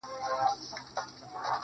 نو گراني ته چي زما قدم باندي